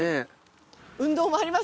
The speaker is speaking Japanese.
運動もありますよ